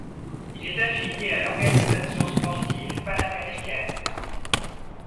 Il est affilié à l'Organisation sportive panaméricaine.